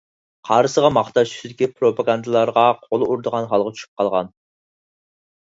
قارىسىغا ماختاش تۈسىدىكى پروپاگاندالارغا قول ئۇرىدىغان ھالغا چۈشۈپ قالغان.